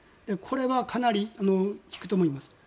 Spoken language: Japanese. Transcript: これはかなり効くと思います。